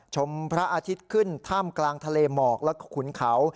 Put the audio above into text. พระอาทิตย์ขึ้นท่ามกลางทะเลหมอกแล้วก็ขุนเขา